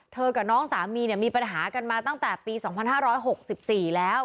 กับน้องสามีเนี่ยมีปัญหากันมาตั้งแต่ปี๒๕๖๔แล้ว